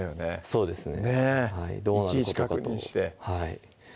そうですね